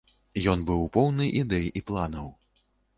Ён быў поўны ідэй і планаў.